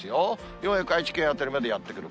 ようやく愛知県辺りまでやって来る。